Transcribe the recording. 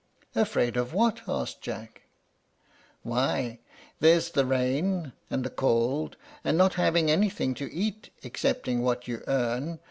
"Afraid of what?" asked Jack. "Why, there's the rain and the cold, and not having anything to eat excepting what you earn.